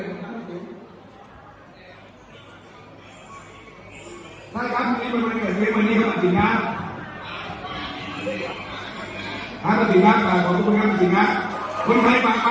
ผู้ใดดูเวลาของคุณทีครับตรงนี้ข่าวติดรักของคุณคุณครับจริงค่ะ